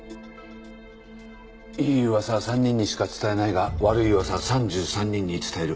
いい噂は３人にしか伝えないが悪い噂は３３人に伝える。